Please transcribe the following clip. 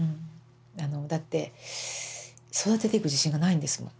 だって育てていく自信がないんですもん。